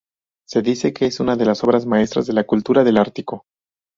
Se dice que es una de las obras maestras de la cultura del Ártico.